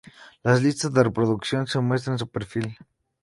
Las listas de reproducción se muestra en su perfil.